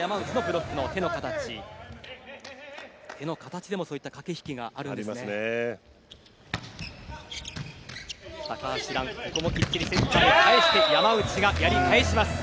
手の形でもそういった駆け引きがあるんですね。ありますね。